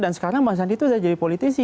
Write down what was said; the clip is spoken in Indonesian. dan sekarang bang sandi itu sudah jadi politisi